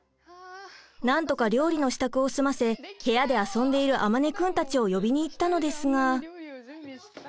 なんとか料理の支度を済ませ部屋で遊んでいる周くんたちを呼びに行ったのですが。